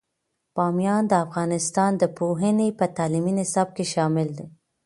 بامیان د افغانستان د پوهنې په تعلیمي نصاب کې شامل دی.